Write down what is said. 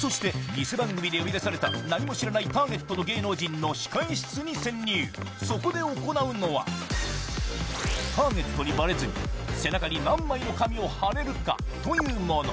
そしてニセ番組で呼び出されたターゲットの芸能人の控え室に潜入、そこで行うのはターゲットにバレずに背中に何枚の紙を貼れるかというもの。